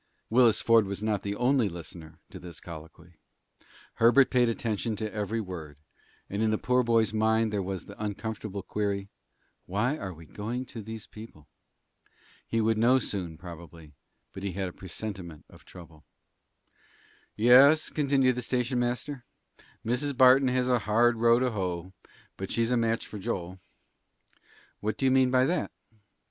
Willis Ford was not the only listener to this colloquy. Herbert paid attention to every word, and in the poor boy's mind there was the uncomfortable query, "Why are we going to these people?" He would know soon, probably, but he had a presentiment of trouble. "Yes," continued the station master, "Mrs. Barton has a hard row to hoe; but she's a match for Joel." "What do you mean by that?"